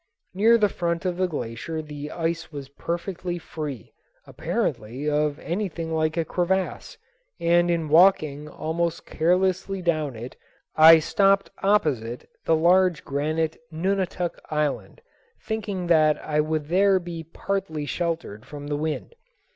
Near the front of the glacier the ice was perfectly free, apparently, of anything like a crevasse, and in walking almost carelessly down it I stopped opposite the large granite Nunatak Island, thinking that I would there be partly sheltered from the wind.